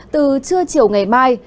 từ trưa chiều ngày mai